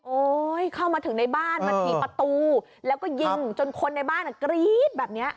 เข้ามาถึงในบ้านมาถีบประตูแล้วก็ยิงจนคนในบ้านกรี๊ดแบบนี้